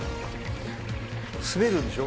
滑るんでしょ？